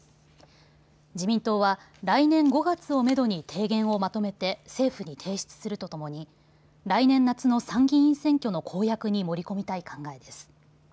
自民党は来年５月をめどに提言をまとめて政府に提出するとともに来年夏の参議院選挙の公約に盛り込みたい考えです。